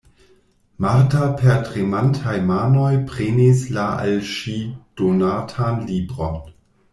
Marta per tremantaj manoj prenis la al ŝi donatan libron.